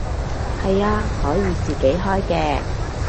係啊，可以自己開嘅